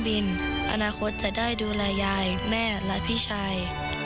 พร่งบินอนาคตจะได้ดูแลยายแม่พี่ชาย